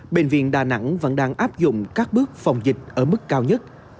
bệnh viện đà nẵng vẫn đang áp dụng các bước phòng dịch ở mức cao nhất